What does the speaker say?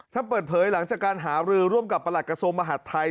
ท่านเปิดเผยหลังจากการหารือร่วมกับประหลักกระทรวงมหาดไทย